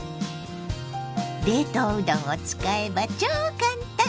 冷凍うどんを使えば超簡単！